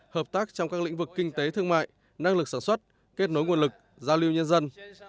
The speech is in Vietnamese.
hợp tác trong các lĩnh vực kinh tế thương mại năng lực sản xuất kết nối nguồn lực giao lưu nhân dân